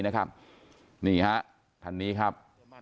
นี่ครับทันนี้ครับ